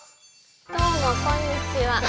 どうもこんにちは。